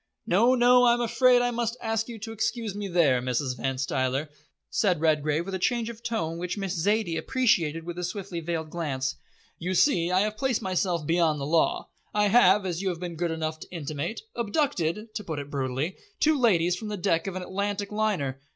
"No, no, I'm afraid I must ask you to excuse me there, Mrs. Van Stuyler," said Redgrave, with a change of tone which Miss Zaidie appreciated with a swiftly veiled glance. "You see, I have placed myself beyond the law. I have, as you have been good enough to intimate, abducted to put it brutally two ladies from the deck of an Atlantic liner.